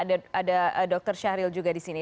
ada dr syahril juga di sini